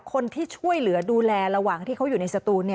คนที่ช่วยเหลือดูแลระหว่างที่เขาอยู่ในสตูน